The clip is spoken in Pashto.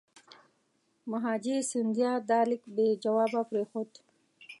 مهاجي سیندیا دا لیک بې جوابه پرېښود.